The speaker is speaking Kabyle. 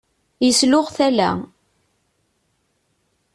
Yesluɣ tala.